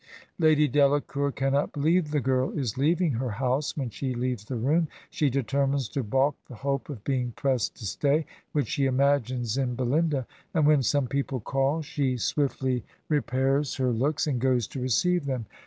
Lady Delacour cannot believe the girl is leaving her house when she leaves the room ; she determines to balk the hope of being pressed to stay, which she imagines in Bdinda; and when some people call she swiftly re* 35 Digitized by VjOOQIC HEROINES OF FICTION pairs her looks and goes to receive them.